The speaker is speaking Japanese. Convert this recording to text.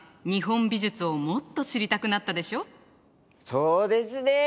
そうですね！